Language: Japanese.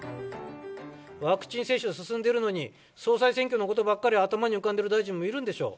ワクチン接種が進んでいるのに、総裁選挙のことばっかり、頭に浮かんでいる大臣もいるんでしょう。